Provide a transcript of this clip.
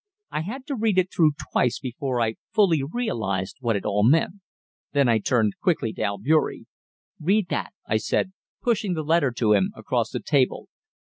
I had to read it through twice before I fully realized what it all meant. Then I turned quickly to Albeury. "Read that," I said, pushing the letter to him across the table.